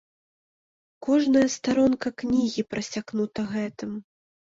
Кожная старонка кнігі прасякнута гэтым.